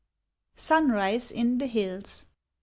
SUNRISE IN THE HILLS.